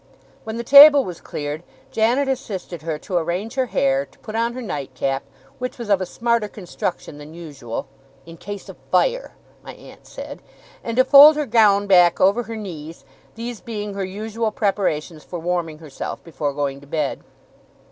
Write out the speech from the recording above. When the table was cleared, Janet assisted her to arrange her hair, to put on her nightcap, which was of a smarter construction than usual ['in case of fire', my aunt said), and to fold her gown back over her knees, these being her usual preparations for warming herself before going to bed.